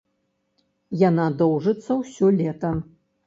Яна доўжыцца ўсё лета.